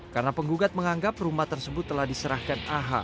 karena penggugat menganggap rumah tersebut telah diserahkan aha